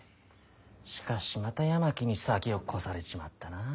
しかしまた八巻に先を越されちまったなあ。